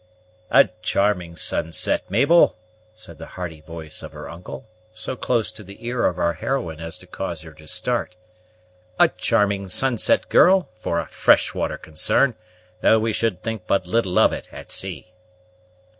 "A charming sunset, Mabel!" said the hearty voice of her uncle, so close to the ear of our heroine as to cause her to start, "a charming sunset, girl, for a fresh water concern, though we should think but little of it at sea."